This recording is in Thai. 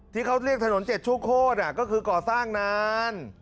ที่เขาเรียกถนน๗ชั่วโคตรก็คือก่อสร้างนาน